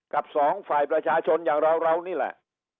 สองฝ่ายประชาชนอย่างเราเรานี่แหละ